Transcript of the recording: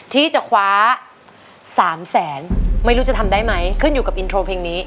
ที่จะคว้า๓แสนไม่รู้จะทำได้ไหมขึ้นอยู่กับอินโทรเพลงนี้